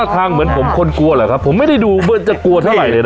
ทางเหมือนผมคนกลัวเหรอครับผมไม่ได้ดูว่าจะกลัวเท่าไหร่เลยนะ